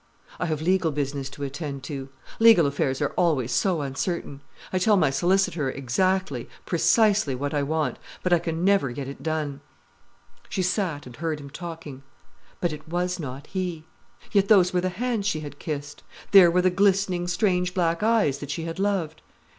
"I have legal business to attend to. Legal affairs are always so uncertain. I tell my solicitor exactly, precisely what I want, but I can never get it done." She sat and heard him talking. But it was not he. Yet those were the hands she had kissed, there were the glistening, strange black eyes that she had loved.